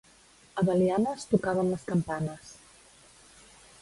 A Belianes tocaven les campanes.